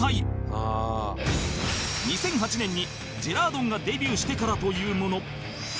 ２００８年にジェラードンがデビューしてからというもの